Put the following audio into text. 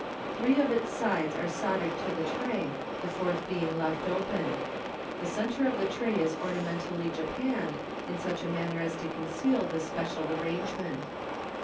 Three of its sides are soldered to the tray, the fourth being left open. The centre of the tray is ornamentally japanned, in such manner as to conceal this special arrangement.